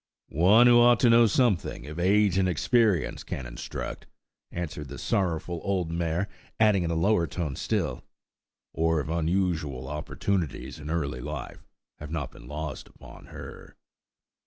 "One who ought to know something, if age and experience can instruct," answered the sorrowful old mare, adding in a lower tone still, "or if unusual opportunities in early life have not been lost upon her."